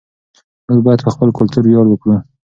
موږ باید په خپل کلتور ویاړ وکړو.